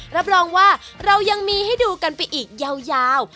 รับรองว่าเรายังมีให้ดูกันไปอีกยาว